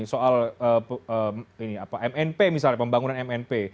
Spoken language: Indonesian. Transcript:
soal mnp misalnya pembangunan mnp